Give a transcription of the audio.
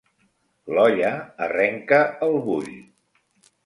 L'olla arrenca el bull.